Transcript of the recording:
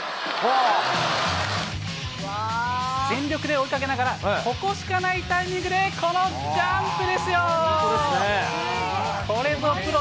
全力で追いかけながら、ここしかないタイミングでこのジャンプですよ。